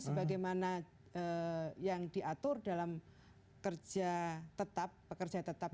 sebagai mana yang diatur dalam pekerja tetap